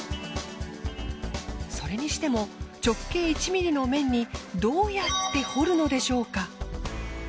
それにしても直径１ｍｍの面にどうやって彫るのでしょうか？